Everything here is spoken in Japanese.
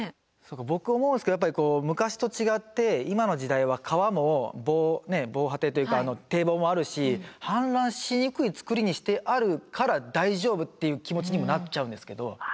僕思うんですけど昔と違って今の時代は川も防波堤というか堤防もあるし氾濫しにくい造りにしてあるから大丈夫っていう気持ちにもなっちゃうんですけど。